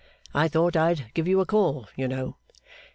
I thought I'd give you a call, you know.